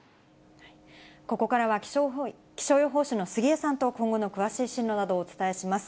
ここからは気象予報士の杉江さんと、今後の詳しい進路などをお伝えします。